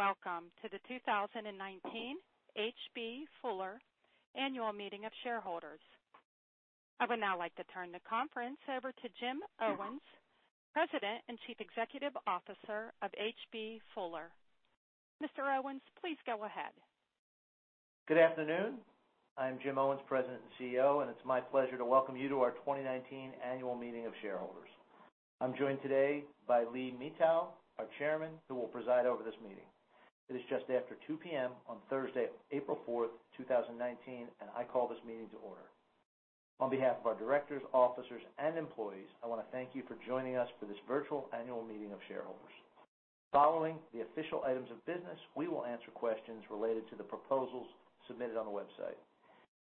Welcome to the 2019 H.B. Fuller Annual Meeting of Shareholders. I would now like to turn the conference over to Jim Owens, President and Chief Executive Officer of H.B. Fuller. Mr. Owens, please go ahead. Good afternoon. I'm Jim Owens, President and CEO, and it's my pleasure to welcome you to our 2019 annual meeting of shareholders. I'm joined today by Lee Mitau, our Chairman, who will preside over this meeting. It is just after 2:00 P.M. on Thursday, April fourth, 2019. I call this meeting to order. On behalf of our directors, officers, and employees, I want to thank you for joining us for this virtual annual meeting of shareholders. Following the official items of business, we will answer questions related to the proposals submitted on the website.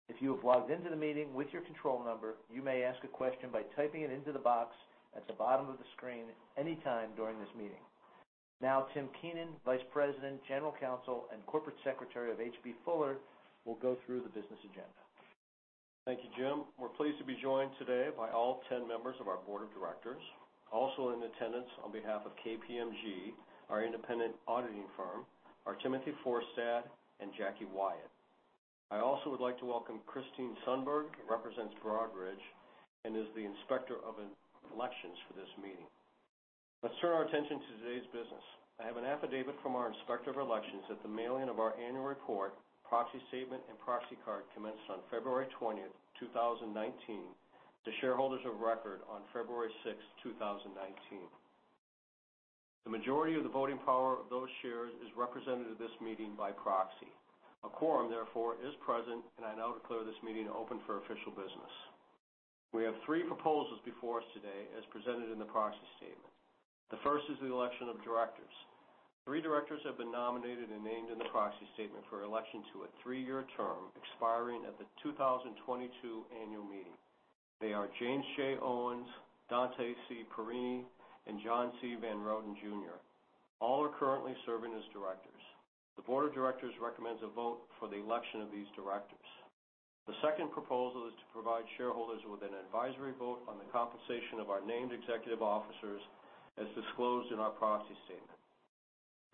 If you have logged into the meeting with your control number, you may ask a question by typing it into the box at the bottom of the screen at any time during this meeting. Now, Tim Keenan, Vice President, General Counsel, and Corporate Secretary of H.B. Fuller, will go through the business agenda. Thank you, Jim. We're pleased to be joined today by all 10 members of our board of directors. In attendance on behalf of KPMG, our independent auditing firm, are Timothy Forstad and Jackie Wyatt. I also would like to welcome Christine Sundberg, who represents Broadridge and is the inspector of elections for this meeting. Let's turn our attention to today's business. I have an affidavit from our inspector of elections that the mailing of our annual report, proxy statement, and proxy card commenced on February 20th, 2019, to shareholders of record on February sixth, 2019. The majority of the voting power of those shares is represented at this meeting by proxy. A quorum, therefore, is present. I now declare this meeting open for official business. We have three proposals before us today, as presented in the proxy statement. The first is the election of directors. Three directors have been nominated and named in the proxy statement for election to a three-year term expiring at the 2022 annual meeting. They are James J. Owens, Dante C. Parrini, and John C. van Roden, Jr. All are currently serving as directors. The board of directors recommends a vote for the election of these directors. The second proposal is to provide shareholders with an advisory vote on the compensation of our named executive officers as disclosed in our proxy statement.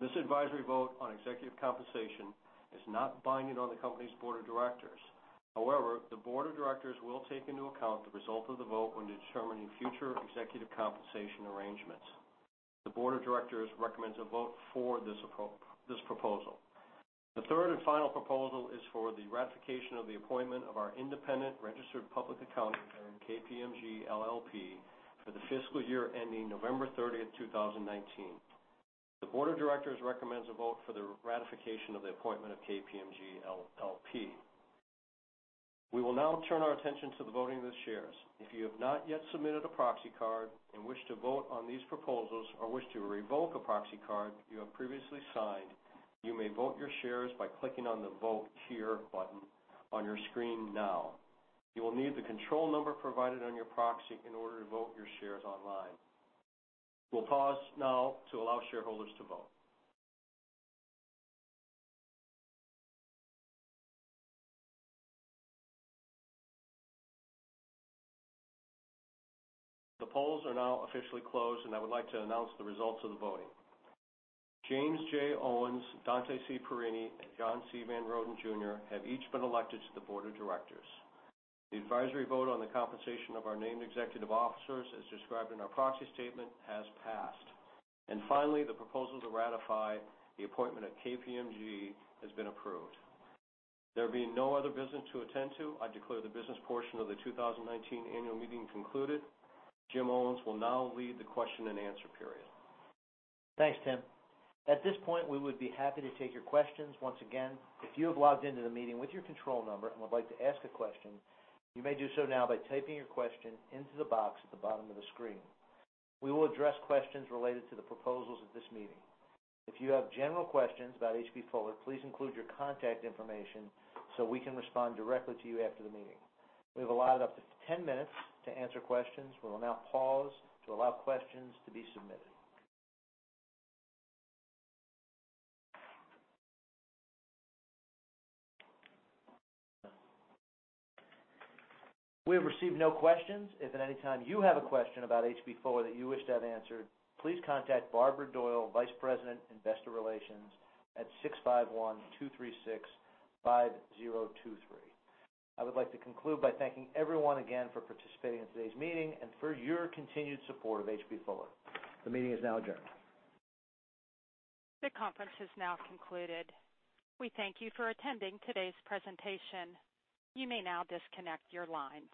This advisory vote on executive compensation is not binding on the company's board of directors. The board of directors will take into account the result of the vote when determining future executive compensation arrangements. The board of directors recommends a vote for this proposal. The third and final proposal is for the ratification of the appointment of our independent registered public accounting firm, KPMG LLP, for the fiscal year ending November 30th, 2019. The board of directors recommends a vote for the ratification of the appointment of KPMG LLP. We will now turn our attention to the voting of the shares. If you have not yet submitted a proxy card and wish to vote on these proposals or wish to revoke a proxy card you have previously signed, you may vote your shares by clicking on the Vote Here button on your screen now. You will need the control number provided on your proxy in order to vote your shares online. We'll pause now to allow shareholders to vote. The polls are now officially closed. I would like to announce the results of the voting. James J. Owens, Dante C. Parrini John C. van Roden, Jr. have each been elected to the board of directors. The advisory vote on the compensation of our named executive officers, as described in our proxy statement, has passed. Finally, the proposal to ratify the appointment of KPMG has been approved. There being no other business to attend to, I declare the business portion of the 2019 annual meeting concluded. Jim Owens will now lead the question and answer period. Thanks, Tim. At this point, we would be happy to take your questions. Once again, if you have logged into the meeting with your control number and would like to ask a question, you may do so now by typing your question into the box at the bottom of the screen. We will address questions related to the proposals at this meeting. If you have general questions about H.B. Fuller, please include your contact information so we can respond directly to you after the meeting. We have allotted up to 10 minutes to answer questions. We will now pause to allow questions to be submitted. We have received no questions. If at any time you have a question about H.B. Fuller that you wish to have answered, please contact Barbara Doyle, Vice President, Investor Relations, at 651-236-5023. I would like to conclude by thanking everyone again for participating in today's meeting and for your continued support of H.B. Fuller. The meeting is now adjourned. The conference has now concluded. We thank you for attending today's presentation. You may now disconnect your line.